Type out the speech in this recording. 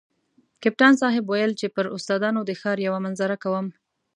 کپتان صاحب ویل چې پر استادانو د ښار یوه منظره کوم.